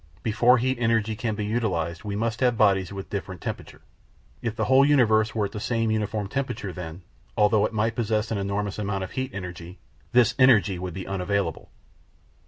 Before heat energy can be utilised we must have bodies with different temperature. If the whole universe were at some uniform temperature, then, although it might possess an enormous amount of heat energy, this energy would be unavailable.